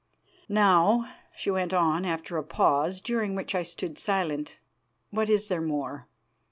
"Now," she went on after a pause, during which I stood silent, "what is there more?